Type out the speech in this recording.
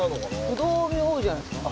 不動明王じゃないですか？